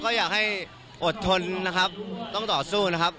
ก็อยากให้อดทนนะครับต้องต่อสู้นะครับ